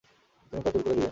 তিনি তা দূর করে দিবেন।